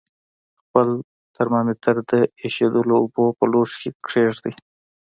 خپل ترمامتر د ایشېدلو اوبو په لوښي کې کیږدئ.